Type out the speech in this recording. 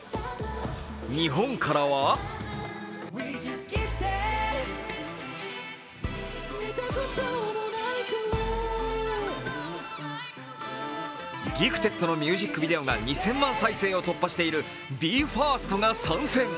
日本からは「Ｇｉｆｔｅｄ．」のミュージックビデオが２０００万再生を突破しているＢＥ：ＦＩＲＳＴが参戦。